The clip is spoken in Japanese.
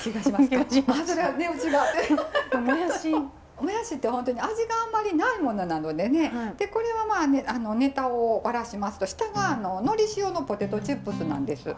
もやしって本当に味があんまりないものなのでねでこれはネタをバラしますと下がのり塩のポテトチップスなんです。